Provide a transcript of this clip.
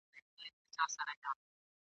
په پالنه سره د نارينه غير فطري